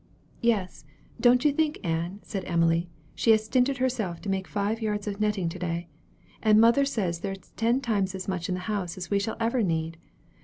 "Yes; don't you think, Ann," said Emily, "she has stinted herself to make five yards of netting to day. And mother says there is ten times as much in the house as we shall ever need.